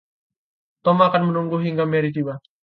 Tom akan menunggu hingga Mary tiba.